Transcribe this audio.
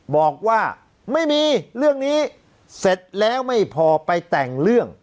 บอกว่าไม่มีเรื่องนี้เสร็จแล้วไม่พอไปแต่งเรื่อง